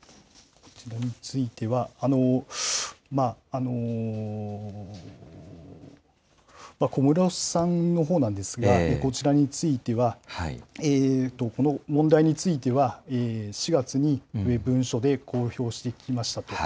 こちらについては、小室さんのほうなんですが、こちらについては、この問題については、４月に文書で公表してきましたと。